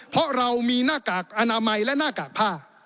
เพราะเรามีหน้ากากอนามัยและหน้ากากผ้า